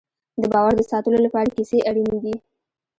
د باور د ساتلو لپاره کیسې اړینې دي.